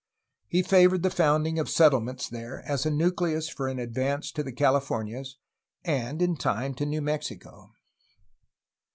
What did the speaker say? He favored the founding of settlements there as a nucleus for an advance to the Californias and, in time, to New Mexico.